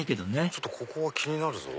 ちょっとここは気になるぞ。